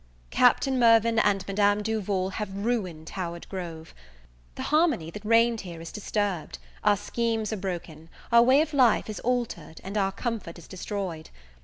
Captain Mirvan and Madame Duval have ruined Howard Grove. The harmony that reigned here is disturbed, our schemes are broken, our way of life is altered, and our comfort is destroyed.